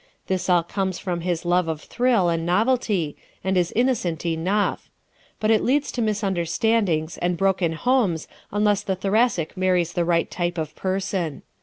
This all comes from his love of thrill and novelty and is innocent enough. But it leads to misunderstandings and broken homes unless the Thoracic marries the right type of person.